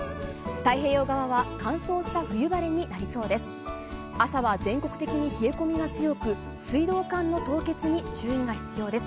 太平洋側は乾燥した冬晴れになりそうです。